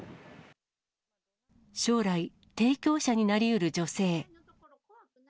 将来、提供者になりうる女性。